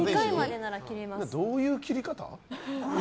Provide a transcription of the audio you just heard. でも、どういう切り方？